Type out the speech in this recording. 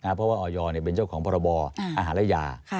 เพราะว่าออยเป็นเจ้าของพรบอาหารและยา